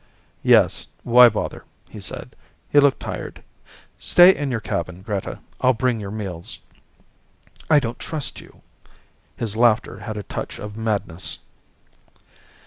"Yes, why bother?" he said. He looked tired. "Stay in your cabin, Greta. I'll bring your meals." "I don't trust you." His laughter had a touch of madness.